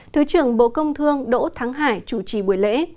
thứ trưởng bộ công thương đỗ thắng hải chủ trì buổi lễ